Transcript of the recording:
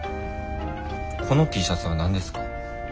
このＴシャツは何ですか？